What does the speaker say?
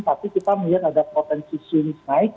tapi kita melihat ada potensi swings naik